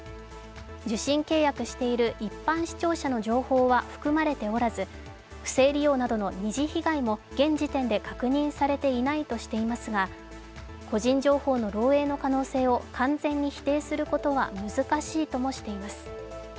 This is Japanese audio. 受信契約している一般視聴者の情報は含まれておらず不正利用などの二次被害も現時点で確認されていないとされていますが個人情報の漏えいの可能性を完全に否定することは難しいともしています。